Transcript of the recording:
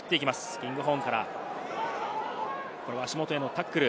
キングホーンから、これは足元へのタックル。